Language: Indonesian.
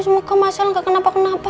semoga mas al gak kenapa kenapa